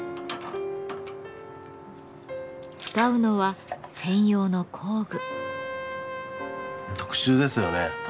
使うのは専用の工具。